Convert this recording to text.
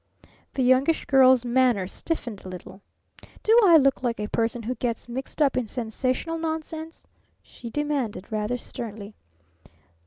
The Youngish Girl's manner stiffened a little. "Do I look like a person who gets mixed up in sensational nonsense?" she demanded rather sternly.